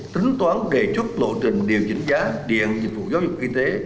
tính toán đề xuất lộ trình điều chỉnh giá điện dịch vụ giáo dục y tế